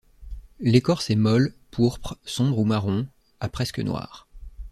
L’écorce est molle, pourpre sombre ou marron, à presque noir.